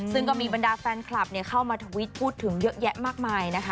ซึ่งก็มีบรรดาแฟนคลับเข้ามาทวิตพูดถึงเยอะแยะมากมายนะคะ